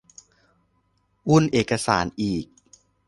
วุ่นเอกสารอีก